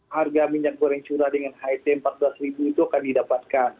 harga minyak goreng curah dengan het rp empat belas itu akan didapatkan